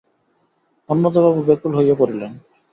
অন্নদাবাবু ব্যাকুল হইয়া পড়িলেন।